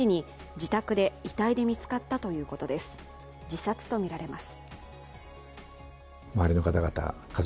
自殺とみられます。